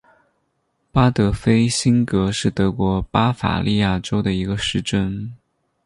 巴德菲辛格是德国巴伐利亚州的一个市镇。